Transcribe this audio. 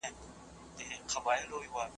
زه پرون واښه راوړله